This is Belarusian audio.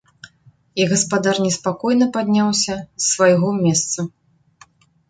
І гаспадар неспакойна падняўся з свайго месца.